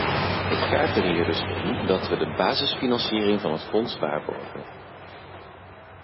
Het gaat er hier dus om dat we de basisfinanciering van het fonds waarborgen.